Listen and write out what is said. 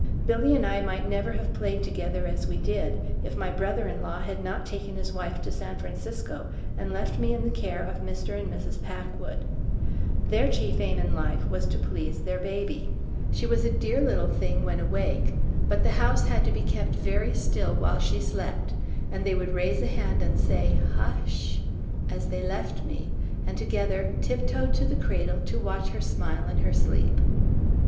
Billy and I might never have played together as we did, if my brother in law had not taken his wife to San Francisco and left me in the care of Mr. and Mrs. Packwood. Their chief aim in life was to please their baby. She was a dear little thing when awake, but the house had to be kept very still while she slept, and they would raise a hand and say, "Hu sh!" as they left me, and together tip toed to the cradle to watch her smile in her sleep.